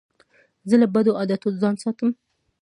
زه له بدو عادتو ځان ساتم.